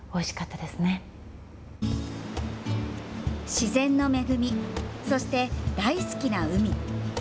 自然の恵み、そして大好きな海。